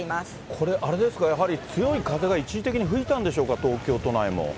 これあれですか、やはり強い風が一時的に吹いたんでしょうか、東京都内も。